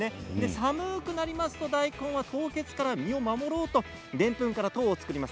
寒くなりますと大根は凍結から身を守ろうとでんぷんから糖を作ります。